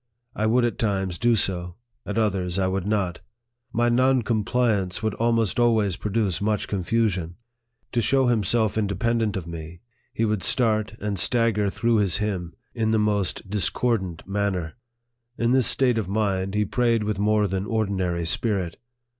I would at times do so ; at others, I would not. My non compliance would almost always produce much confusion. To show himself independent of me, he would start and stagger through with his hymn in the most discordant manner. In this state of mind, he prayed with more than ordinary spirit.